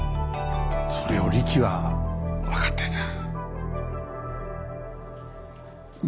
それをリキは分かってた。